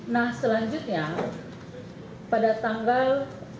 nah selanjutnya pada tanggal